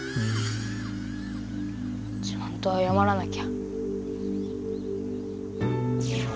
ちゃんとあやまらなきゃ。